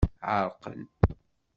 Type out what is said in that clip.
Ɛerqen.